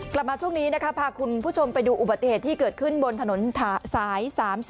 กลับมาช่วงนี้นะคะพาคุณผู้ชมไปดูอุบัติเหตุที่เกิดขึ้นบนถนนสาย๓๔